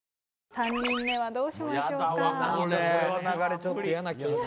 ３人目はどうしましょうか？